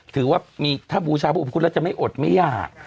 ถือว่าถ้าบูชาพระอุปคุฎแล้วจะไม่อดไม่ยาก